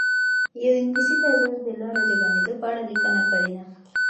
یو انګلیسي تاجر د لارو د بندېدو په اړه لیکنه کړې ده.